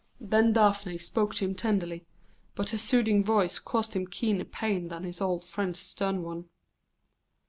Then Daphne spoke to him tenderly, but her soothing voice caused him keener pain than his old friend's stern one.